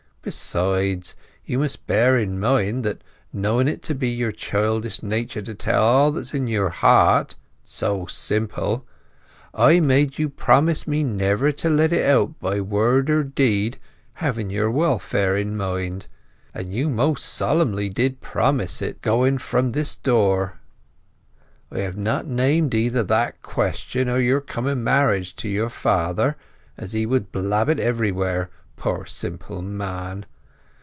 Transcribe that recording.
Besides, you must bear in mind that, knowing it to be your Childish Nature to tell all that's in your heart—so simple!—J made you promise me never to let it out by Word or Deed, having your Welfare in my Mind; and you most solemnly did promise it going from this Door. J have not named either that Question or your coming marriage to your Father, as he would blab it everywhere, poor Simple Man.